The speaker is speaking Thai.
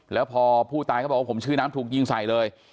แล้วพอผู้ตายเขาบอกว่าผมชื่อน้ำถูกยิงใส่เลย